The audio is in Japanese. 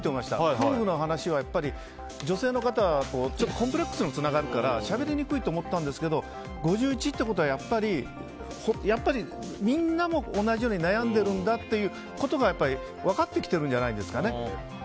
夫婦の話は女性の方はコンプレックスにもつながるからしゃべりにくいと思ったんですが５１ってことは、やっぱりみんなも同じように悩んでるんだっていうことが分かってきてるんじゃないですかね。